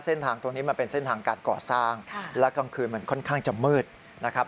เส้นทางตรงนี้มันเป็นเส้นทางการก่อสร้างและกลางคืนมันค่อนข้างจะมืดนะครับ